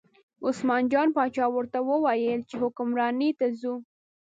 عثمان جان باچا ورته وویل چې حکمرانۍ ته ځو.